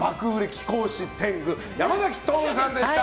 貴公子天狗山咲トオルさんでした。